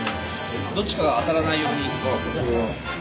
どっちかが当たらないように。